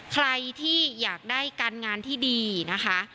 ใครที่อยากได้การงานที่ดีนะคะ